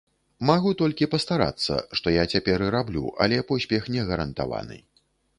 Магу толькі пастарацца, што я цяпер і раблю, але поспех не гарантаваны.